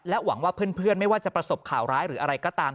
หวังว่าเพื่อนไม่ว่าจะประสบข่าวร้ายหรืออะไรก็ตาม